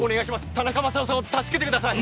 田中マサオさんを助けてください。